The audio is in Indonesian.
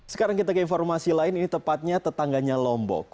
sekarang kita ke informasi lain ini tepatnya tetangganya lombok